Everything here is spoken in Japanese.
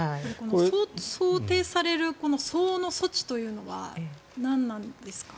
想定される相応の措置というのは何なんですか？